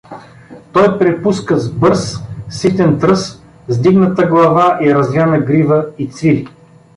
Той препуска с бърз, ситен тръс, с дигната глава и развяна грива, и цвили.